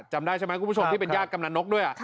จำได้ใช่ไหมคุณผู้ชมที่เป็นญาติกำนันนกด้วย